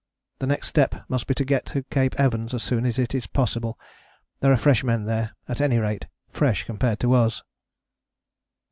The next step must be to get to Cape Evans as soon as it is possible. There are fresh men there: at any rate fresh compared to us."